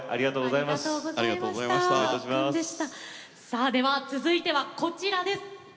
さあでは続いてはこちらです。